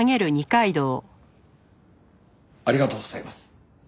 ありがとうございます！